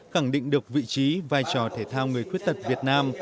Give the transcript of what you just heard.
khẳng định được vị trí vai trò thể thao người khuyết tật việt nam